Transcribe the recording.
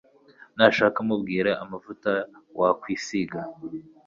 nashaka mubwire amavuta wakwisiga